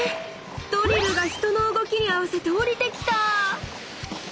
⁉ドリルが人の動きに合わせておりてきた！